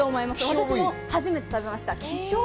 私も初めて食べました。